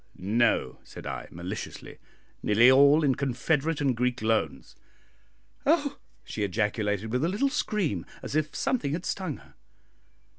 "No," said I, maliciously; "nearly all in Confederate and Greek loans." "Oh!" she ejaculated, with a little scream, as if something had stung her.